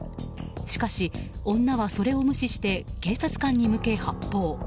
しかし、女はそれを無視して警察官に向け、発砲。